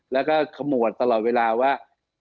แล้วก็ขมวดตลอดเวลาว่า